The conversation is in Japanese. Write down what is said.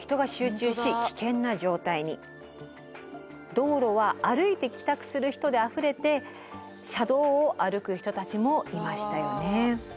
道路は歩いて帰宅する人であふれて車道を歩く人たちもいましたよね。